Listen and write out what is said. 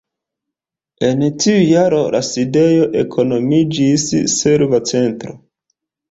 En tiu jaro la sidejo eknomiĝis "Serva Centro".